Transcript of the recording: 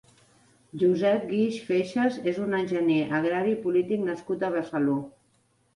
Josep Guix Feixas és un enginyer agrari i polític nascut a Besalú.